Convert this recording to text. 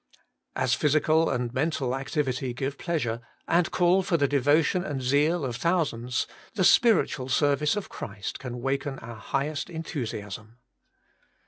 As physical and mental activity give pleasure, and call for the devotion and zeal of thousands, the spiritual service of Christ can waken our highest enthusiasm.